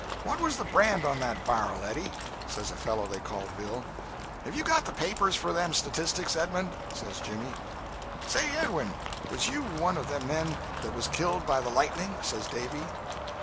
'What was the brand on that bar'l, Eddy?' says a fellow they called Bill. 'Have you got the papers for them statistics, Edmund?' says Jimmy. 'Say, Edwin, was you one of the men that was killed by the lightning.' says Davy.